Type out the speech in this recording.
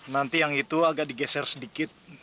nanti yang itu agak digeser sedikit